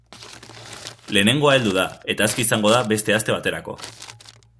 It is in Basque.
Lehenengoa heldu da, eta aske izango da beste aste baterako.